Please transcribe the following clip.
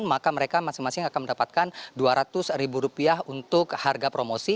maka mereka masing masing akan mendapatkan dua ratus ribu rupiah untuk harga promosi